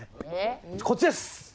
こっちです！